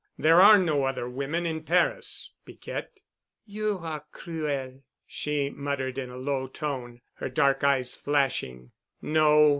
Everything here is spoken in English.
There are no other women in Paris, Piquette." "You are cruel," she muttered in a low tone, her dark eyes flashing. "No.